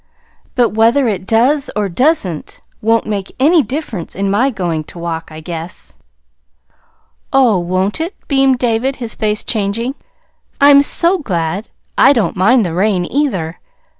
"But whether it does or does n't won't make any difference in my going to walk, I guess." "Oh, won't it?" beamed David, his face changing. "I'm so glad! I don't mind the rain, either.